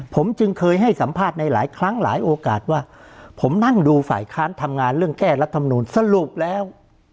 ผมจึงเคยให้สัมภาษณ์ในหลายครั้งหลายโอกาสว่าผมนั่งดูฝ่ายค้านทำงานเรื่องแก้รัฐมนูลสรุปแล้ว